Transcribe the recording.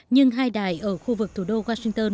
nhưng hai đài ở khu vực thủ đô washington